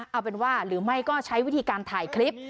เอาเป็นว่าหรือไม่ก็ใช้วิธีการถ่ายคลิป